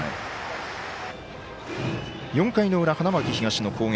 ４回の裏、花巻東の攻撃。